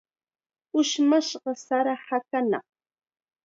Ushmashqa sara hakanaq.